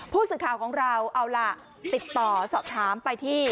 ผู้สื่อข่าวของเราเอาล่ะติดต่อสอบถามไปที่